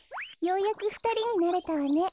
ようやくふたりになれたわね。